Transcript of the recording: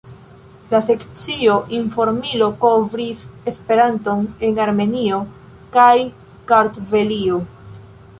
La sekcio "Informilo" kovris Esperanton en Armenio kaj Kartvelio.